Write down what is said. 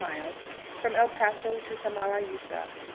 ] Miles. From El Paso to 26.10. Samalayuca.